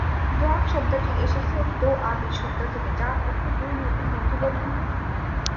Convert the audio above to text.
দোয়াব শব্দটি এসেছে "দো আবি" শব্দ থেকে যার অর্থ "দুই নদীর মধ্যবর্তী ভূমি"।